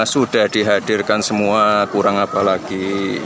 sudah dihadirkan semua kurang apa lagi